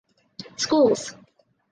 Schools.